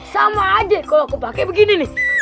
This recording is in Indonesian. sama aja kalau aku pakai begini nih